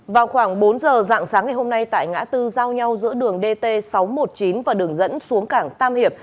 vào khoảng bốn giờ dạng sáng ngày hôm nay tại ngã tư giao nhau giữa đường dt sáu trăm một mươi chín và đường dẫn xuống cảng tam hiệp